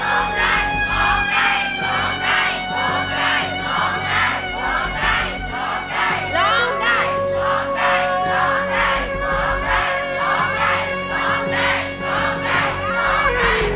ร้องได้ร้องได้ร้องได้ร้องได้